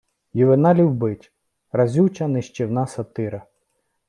Ювеналів бич — разюча, нищівна сатира